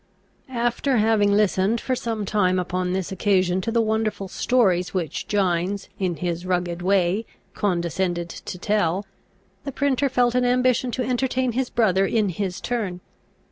After having listened for some time upon this occasion to the wonderful stories which Gines, in his rugged way, condescended to tell, the printer felt an ambition to entertain his brother in his turn.